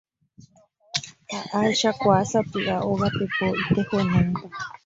ha ahechakuaa sapy'a óga pepo itejuelon-pa